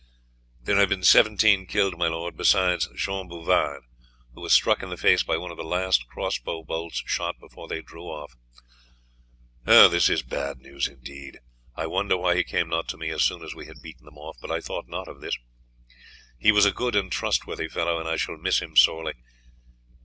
"There have been seventeen killed, my lord, besides Jean Bouvard, who was struck in the face by one of the last crossbow bolts shot before they drew off." "This is bad news indeed. I wondered why he came not to me as soon as we had beaten them off, but I thought not of this. He was a good and trustworthy fellow, and I shall miss him sorely.